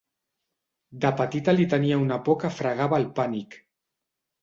De petita li tenia una por que fregava el pànic.